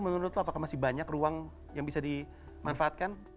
menurut lo apakah masih banyak ruang yang bisa dimanfaatkan